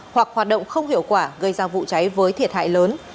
hoặc hoạt động không hiệu quả gây ra vụ cháy với thiệt hại lớn